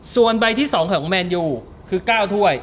ส่วนใบที่สองของแมนยูคือเก้าถ้วย